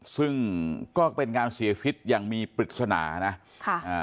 ซึ่งก็เป็นการเสียชีวิตอย่างมีปริศนานะค่ะอ่า